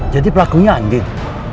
jadi pelakunya andien